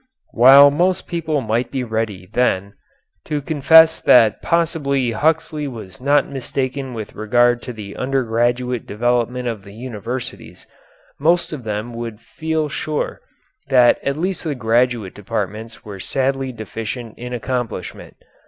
While most people might be ready, then, to confess that possibly Huxley was not mistaken with regard to the undergraduate department of the universities, most of them would feel sure that at least the graduate departments were sadly deficient in accomplishment.